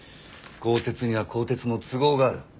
高鐵には高鐵の都合がある。